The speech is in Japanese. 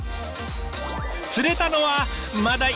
釣れたのはマダイ。